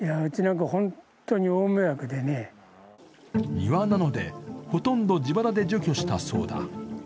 庭なので、ほとんど自腹で除去したそうだ。